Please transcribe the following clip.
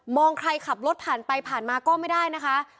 ใครขับรถผ่านไปผ่านมาก็ไม่ได้นะคะ